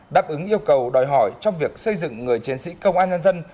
đáp ứng yêu cầu đòi hỏi trong việc xây dựng người chiến sĩ công an nhân dân